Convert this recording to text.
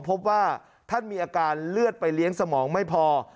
พบว่าท่านมีอาการเลือดไปเลี้ยงสมองไม่พอ